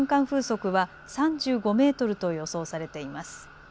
風速は３５メートルと予想されています。